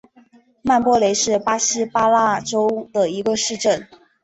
曼波雷是巴西巴拉那州的一个市镇。